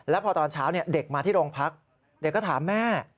แล้วพอตอนเช้าเด็กมาที่โรงพักเด็กก็ถามแม่